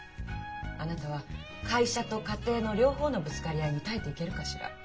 あなたは会社と家庭の両方のぶつかり合いに耐えていけるかしら？